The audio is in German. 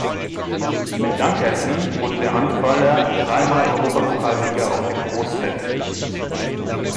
Mit Dankersen wurde der Handballer dreimal Europapokalsieger auf dem Großfeld.